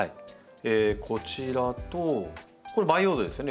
こちらとこれ「培養土」ですよね。